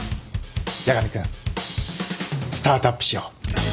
八神君スタートアップしよう